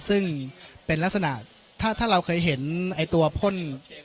ซึ่งเป็นลักษณะถ้าเราเคยเห็นไอ้ตัวพ่น